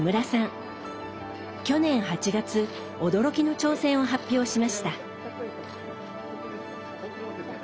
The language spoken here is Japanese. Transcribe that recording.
去年８月驚きの挑戦を発表しました。